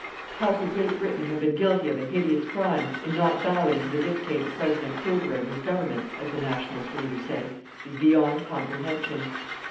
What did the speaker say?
How could Great Britain have been guilty of a hideous crime in not bowing to the dictate of President Kruger and his Government, as the "Nationalist" leader said, is beyond comprehension.